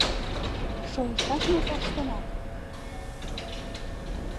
«Шойышташ мо тоштынат?